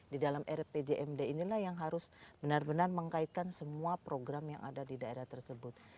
di dalam rpjmd inilah yang harus benar benar mengkaitkan semua program yang ada di daerah tersebut